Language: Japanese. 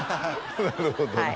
なるほどね。